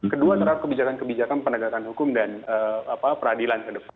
kedua terhadap kebijakan kebijakan penegakan hukum dan peradilan ke depan